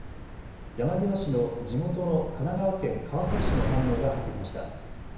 山際氏の地元の神奈川県川崎市の反応が入ってきました。